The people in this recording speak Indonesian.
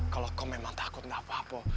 kalau kau memang takut tidak apa apa